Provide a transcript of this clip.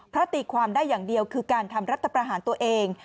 เพราะตีความได้อย่างเดียวคือการทำรัฐประหารตัวเอง